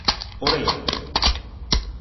Oraya!